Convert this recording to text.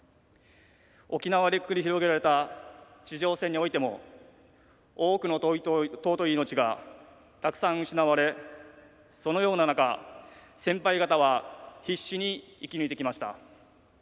沖縄で繰り広げられた地上戦においても多くの尊い命がたくさん失われそのような中先輩方は必死に生き抜いてきました。